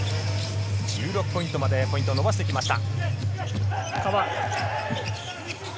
１６ポイントまでポイントを伸ばしてきました。